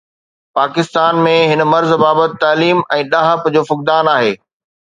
پاڪستان ۾ هن مرض بابت تعليم ۽ ڏاهپ جو فقدان آهي